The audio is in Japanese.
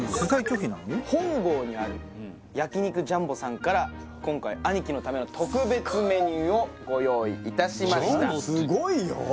本郷にある焼肉ジャンボさんから今回アニキのための特別メニューをご用意いたしましたすごいよ